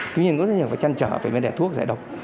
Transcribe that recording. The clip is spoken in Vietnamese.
tuy nhiên có thể phải chăn trở phải đẻ thuốc giải độc